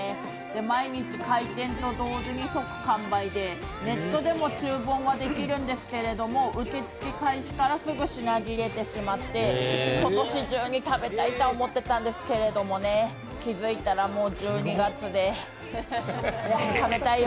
毎日開店と同時に即完売で、ネットでも注文はできるんですけど、受付開始からすぐ品切れてしまって、今年中に食べたいとは思っていたんですけれどもね、気付いたらもう１２月で、食べたいよ